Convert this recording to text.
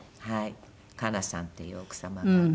加奈さんっていう奥様が。